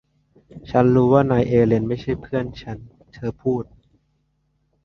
ฉันรู้ว่านายเอลีนไม่ใช่เพื่อนฉันเธอพูด